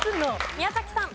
宮崎さん。